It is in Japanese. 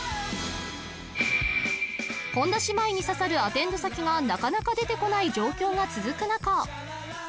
本田姉妹に刺さるアテンド先がなかなか出てこない状況が続く中